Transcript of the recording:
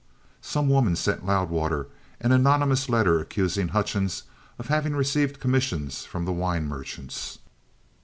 "Some woman sent Loudwater an anonymous letter accusing Hutchings of having received commissions from the wine merchants."